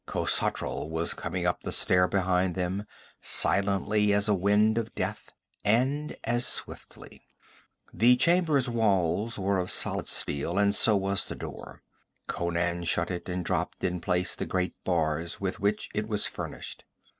Khosatral was coming up the stair behind them, silently as a wind of death, and as swiftly. The chamber's walls were of solid steel, and so was the door. Conan shut it and dropped in place the great bars with which it was furnished.